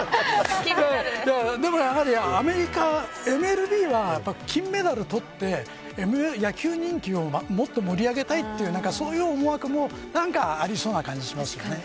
でも、やはりアメリカはＭＬＢは、金メダルを取って野球人気をもっと盛り上げたいというそういう思惑もありそうな感じしますね。